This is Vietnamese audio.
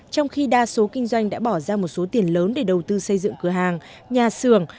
trong khi đa số kinh doanh đã bỏ ra một số tiền lớn để đầu tư xây dựng cửa hàng nhà xưởng